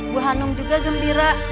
bu hanum juga gembira